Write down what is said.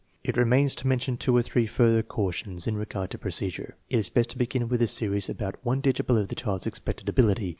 It remains to mention two or three further cautions in regard to procedure. It is best to begin with a series about one digit below the child's expected ability.